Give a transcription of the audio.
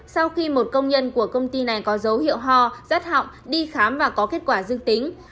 sau khi một công nhân của công ty này có dấu hiệu ho rắt họng đi khám và có kết quả dưng tính